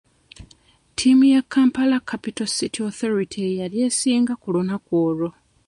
Ttiimu ya Kampala Capital City Authority ye yali esinga ku lunaku olwo.